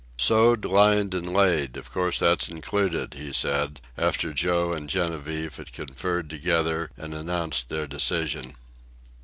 "Sewed, lined, and laid of course that's included," he said, after Joe and Genevieve had conferred together and announced their decision.